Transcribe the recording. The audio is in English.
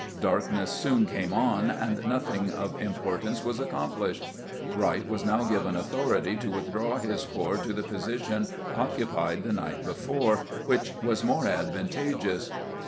Darkness soon came on, and nothing of importance was accomplished. Wright was now given authority to withdraw his corps to the position occupied the night before, which was more advantageous.